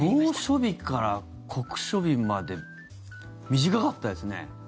猛暑日から酷暑日まで短かったですね。